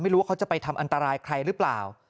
ไม่รู้ว่าเขาจะไปทำอันตรายใครหรือเปล่า